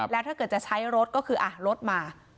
แล้วถ้าเกิดจะใช้รถก็คือรถมา